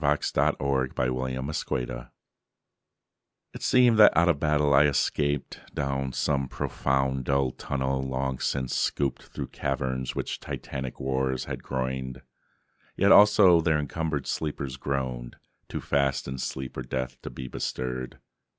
Wilfred Owen Strange Meeting IT seemed that out of battle I escaped Down some profound dull tunnel, long since scooped Through caverns which titanic wars had groined, Yet also there encumbered sleepers groaned, Too fast in sleep or death to be bestirred.